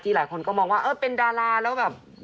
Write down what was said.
ที่หลายคนก็มองว่าเป็นดาราแล้วก็แบบ